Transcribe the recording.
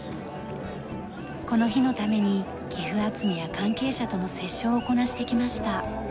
この日のために寄付集めや関係者との折衝をこなしてきました。